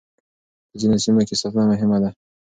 په ځينو سيمو کې ساتنه مهمه ده.